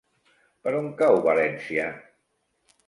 Per on cau València?